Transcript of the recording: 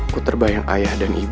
aku terbayang ayah dan ibu